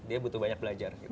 dia butuh banyak belajar